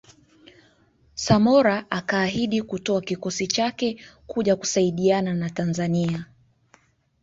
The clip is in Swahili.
Samora akaahidi kutoa kikosi chake kuja kusaidiana na Tanzania